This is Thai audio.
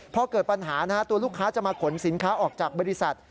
พอเกิดปัญหาตัวลูกค้าจะมาขนสินค้าออกจากบริษัท